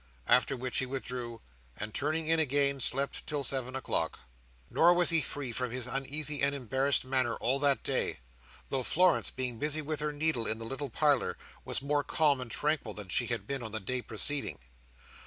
after which he withdrew, and turning in again, slept till seven o'clock. Nor was he free from his uneasy and embarrassed manner all that day; though Florence, being busy with her needle in the little parlour, was more calm and tranquil than she had been on the day preceding.